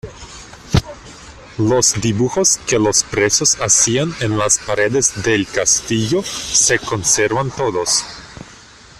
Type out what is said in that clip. Los dibujos que los presos hacían en las paredes del castillo se conservan todos.